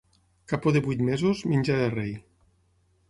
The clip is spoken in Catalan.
Capó de vuit mesos, menjar de rei.